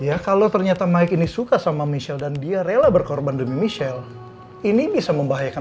ya kalau ternyata mike ini suka sama michelle dan dia rela berkorban demi michelle ini bisa membahayakan